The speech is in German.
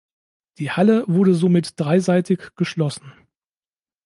Die Halle wurde somit dreiseitig geschlossen.